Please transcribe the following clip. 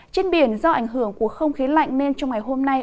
trên biển do ảnh hưởng của không khí lạnh nên trong ngày hôm nay